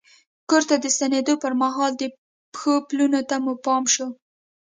کور ته د ستنېدو پر مهال د پښو پلونو ته مو پام شو.